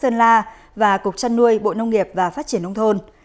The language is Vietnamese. nga và cục trăn nuôi bộ nông nghiệp và phát triển nông thôn